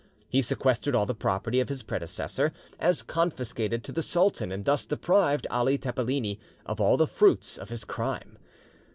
He sequestered all the property of his predecessor, as confiscated to the sultan, and thus deprived Ali Tepeleni of all the fruits of his crime.